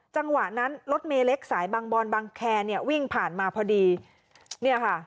จังหวะนั้นรถเมเล็กสายบางบอนบางแคร์เนี่ยวิ่งผ่านมาพอดีเนี่ยค่ะ